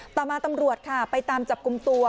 ต่อมาตำรวจค่ะไปตามจับกลุ่มตัว